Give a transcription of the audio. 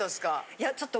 いやちょっと。